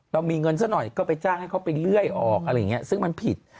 มีเงินซะหน่อยก็ไปจ้างให้เขาไปเรื่อยออกอะไรอย่างนี้ซึ่งมันผิด